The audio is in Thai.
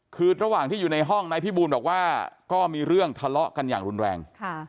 คือระหว่างที่อยู่ในห้องนายพี่บูลบอกว่าก็มีเรื่องทะเลาะกันอย่างรุนแรง